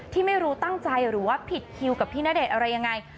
ที่ไม่รู้ตั้งใจหรือว่าผิดคิวกับพี่ณเดชน์อะไรยังไง